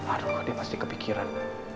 aduh dia pasti kepikiran